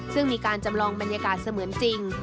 ซึ่งมีการจำลองบรรยากาศเสมือนจริง